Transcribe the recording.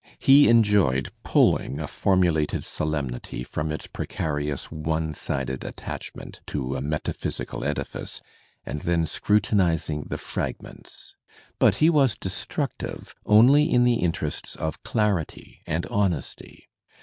He enjoyed pulling a formu lated solemnity from its precarious one sided attachment to a metaphysical edifice and then scrutinizing the fragments. But he was destructive only in the interests of clarity and honesty.